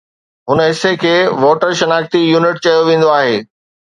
هن حصي کي ووٽر شناختي يونٽ چيو ويندو آهي